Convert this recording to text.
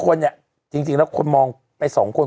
คนเนี่ยจริงแล้วคนมองไป๒คน